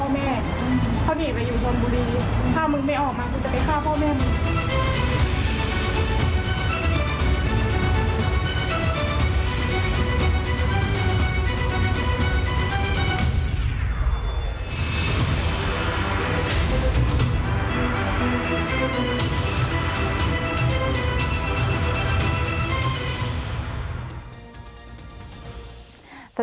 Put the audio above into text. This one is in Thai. มีความรู้สึกว่ามีความรู้สึกว่า